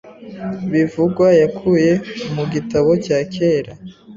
bivugwa yakuye mu gitabo cya kera